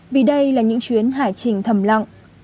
vì đây là những chuyến hải trình thầm lặng